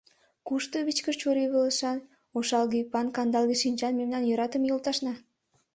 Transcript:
Кушто вичкыж чурийвылышан, ошалге ӱпан, кандалге шинчан мемнан йӧратыме йолташна?